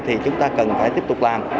thì chúng ta cần phải tiếp tục làm